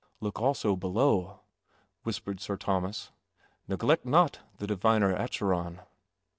"" Look also below," whispered Sir Thomas. " Neglect not the diviner Acheron."